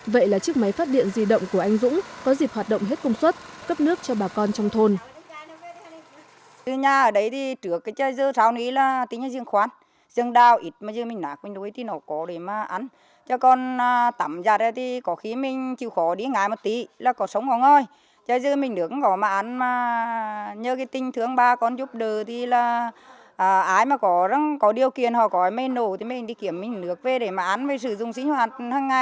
vậy là chiếc máy phát điện di động của anh dũng có dịp hoạt động hết công suất cấp nước cho bà con trong thôn